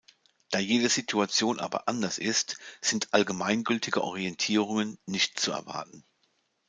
Da jede Situation aber anders ist, sind allgemeingültige Orientierungen nicht zu erwarten.